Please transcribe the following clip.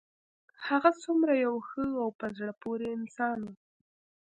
هغه څومره یو ښه او په زړه پورې انسان و